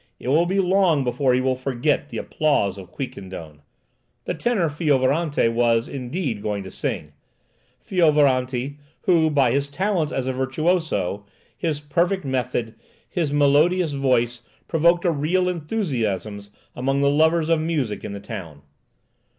It will be long before he will forget the applause of Quiquendone!" The tenor Fiovaranti was, indeed, going to sing; Fiovaranti, who, by his talents as a virtuoso, his perfect method, his melodious voice, provoked a real enthusiasm among the lovers of music in the town.